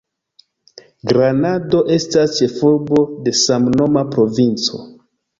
Granado estas ĉefurbo de samnoma provinco.